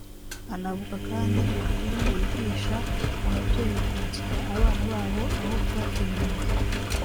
Anavuga kandi ko iyi filimi yigisha ababyeyi kwakira abana babo aho kubatererana